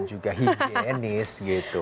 dan juga higienis gitu